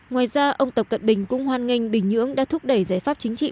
ngoài ra ông tập cận bình cũng hoan nghênh bình nhưỡng đã thúc đẩy giải pháp chính trị